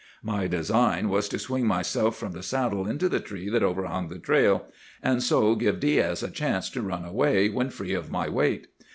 My design was to swing myself from the saddle into the tree that overhung the trail, and so give Diaz a chance to run away, when free of my weight.